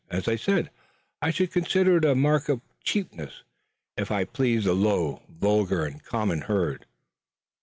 As I said, I should consider it a mark of cheapness if I pleased the low, vulgar and common herd."